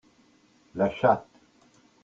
La chatte.